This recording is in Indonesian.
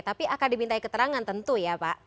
tapi akan dimintai keterangan tentu ya pak